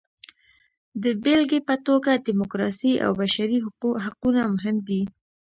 د بېلګې په توګه ډیموکراسي او بشري حقونه مهم دي.